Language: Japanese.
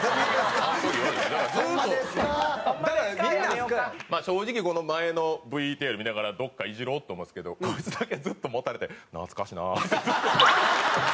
だからみんな正直この前のＶＴＲ見ながらどこかイジろうって思いますけどこいつだけはずっともたれて「懐かしいな」。